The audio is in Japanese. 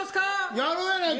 やるやないか。